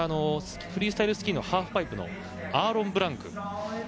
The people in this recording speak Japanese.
フリースタイルスキーのハーフパイプのアーロン・ブランク。